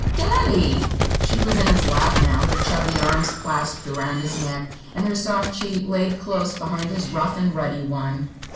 "Daddy!" She was in his lap, now, her chubby arms clasped around his neck and her soft cheek laid close beside his rough and ruddy one.